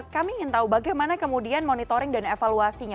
kami ingin tahu bagaimana kemudian monitoring dan evaluasinya